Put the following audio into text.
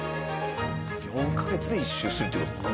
４カ月で１周するっていう事か。